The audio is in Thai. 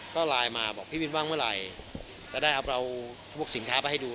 ก็ไลน์มาบอกพี่วินว่างเมื่อไหร่จะได้เอาพวกสินค้าไปให้ดู